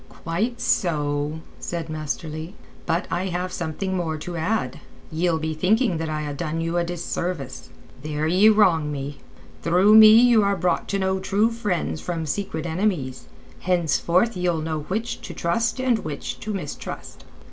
"Quite so," said Master Leigh. "But I have something more to add. Ye'll be thinking that I ha' done you a disservice. There ye wrong me. Through me you are brought to know true friends from secret enemies; henceforward ye'll know which to trust and which to mistrust."